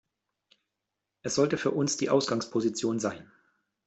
Es sollte für uns die Ausgangsposition sein.